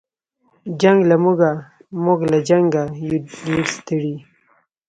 جنګ له موږه موږ له جنګه یو ډېر ستړي